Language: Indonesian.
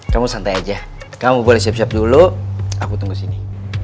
kamu santai aja kamu boleh siap siap dulu aku tunggu sini